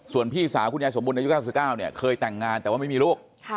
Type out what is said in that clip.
ส่วนพี่สาวคุณยายสมบูรณอายุ๙๙เนี่ยเคยแต่งงานแต่ว่าไม่มีลูก